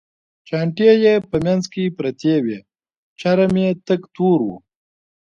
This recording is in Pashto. چانټې یې په منځ کې پرتې وې، چرم یې تک تور و.